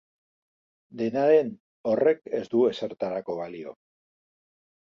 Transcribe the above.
Dena den, horrek ez du ezertarako balio.